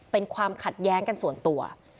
เป็นความขัดแย้งกันส่วนตัว